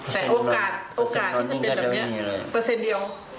แต่โอกาสที่จะเป็นแบบนี้เปอร์เซ็นต์เดียว